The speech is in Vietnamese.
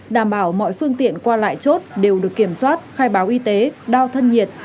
đảm bảo mọi phương tiện qua lại chốt đều được kiểm soát khai báo y tế đo thân nhiệt